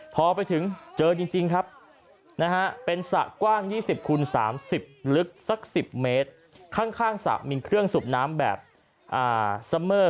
พอไปถึงเจอจริงครับเป็นสระกว้าง๒๐คูณ๓๐ลึกสัก๑๐เมตร